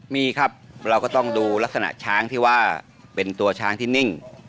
มีครับเราก็ต้องดูลักษณะช้างที่ว่าเป็นตัวช้างที่นิ่ง